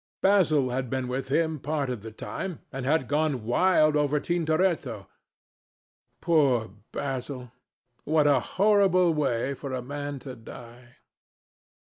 Basil had been with him part of the time, and had gone wild over Tintoret. Poor Basil! What a horrible way for a man to die!